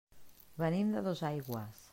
Venim de Dosaigües.